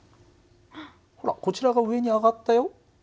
ほらこちらが上に上がったよ。